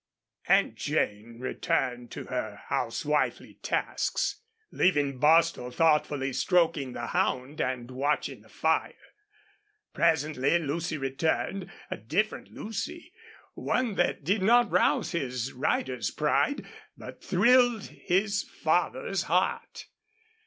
Aunt Jane returned to her housewifely tasks, leaving Bostil thoughtfully stroking the hound and watching the fire. Presently Lucy returned a different Lucy one that did not rouse his rider's pride, but thrilled his father's heart.